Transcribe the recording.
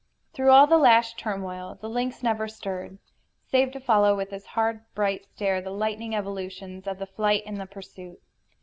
Through all the lashed turmoil the lynx never stirred, save to follow with his hard, bright stare the lightning evolutions of the flight and the pursuit.